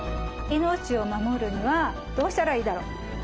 命を守るにはどうしたらいいだろう。